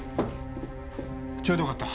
ちょうどよかった。